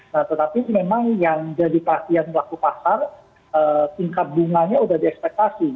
nah tetapi memang yang jadi perhatian pelaku pasar tingkat bunganya udah di ekspektasi